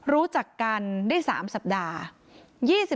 รู้จักกันได้๓สัปดาห์